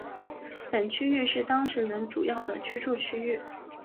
本区域是当时人主要的居住区域。